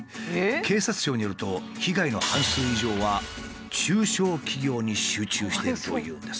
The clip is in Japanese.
警察庁によると被害の半数以上は中小企業に集中しているというんです。